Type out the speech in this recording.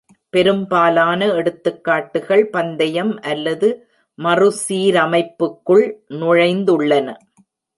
பெரும்பாலான எடுத்துக்காட்டுகள் பந்தயம் அல்லது மறுசீரமைப்புக்குள் நுழைந்துள்ளன.